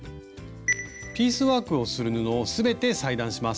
ピースワークをする布を全て裁断します。